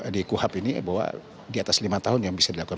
di kuhap ini bahwa di atas lima tahun yang bisa dilakukan